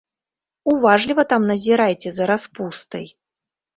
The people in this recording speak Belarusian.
Уважліва там назіраеце за распустай.